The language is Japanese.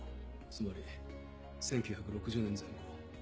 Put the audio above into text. つまり１９６０年前後。